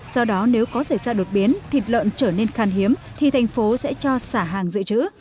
do đó nếu có xảy ra đột biến thịt lợn trở nên khan hiếm thì thành phố sẽ cho xả hàng dự trữ